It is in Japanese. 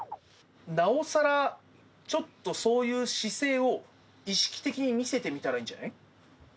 なおさらちょっとそういう姿勢を意識的に見せてみたらいいんじゃない？